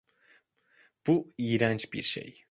Bu iğrenç bir şey.